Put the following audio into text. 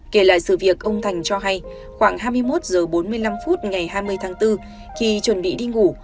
kể lại sự việc ông thành cho hay khoảng hai mươi một h bốn mươi năm phút ngày hai mươi tháng bốn khi chuẩn bị đi ngủ